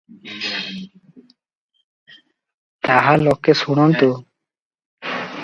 ତାହା ଲୋକେ ଶୁଣନ୍ତୁ